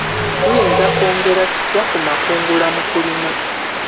Tuyinza kwongera tutya ku makungula mu kulima?